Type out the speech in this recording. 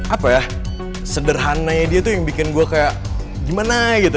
apa ya sederhana yaitu yang bikin gue kayak gimana gitu